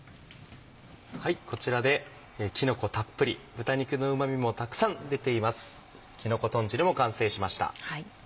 こちらできのこたっぷり豚肉のうま味もたくさん出ています「きのこ豚汁」も完成しました。